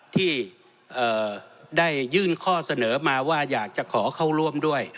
ที่ได้ยื่นข้อเสนอมาว่าอยากจะขอเข้าร่วมด้วย